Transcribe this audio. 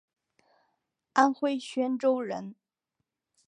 安徽宣州人。